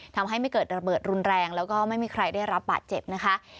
ทำให้ไม่เกิดระเบิดรุนแรงแล้วก็ไม่มีใครได้รับบาดเจ็บนะคะ